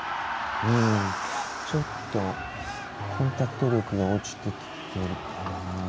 ちょっとコンタクト力が落ちてきてるかな。